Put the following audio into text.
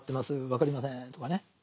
分かりませんとかね。